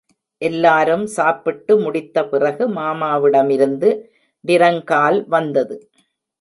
எல்லாரும் சாப்பிட்டு முடித்த பிறகு மாமாவிடமிருந்து டிரங்கால் வந்தது.